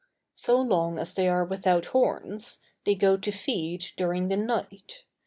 So long as they are without horns, they go to feed during the night.